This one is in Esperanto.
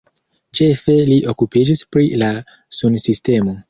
Ĉefe li okupiĝis pri la sunsistemo.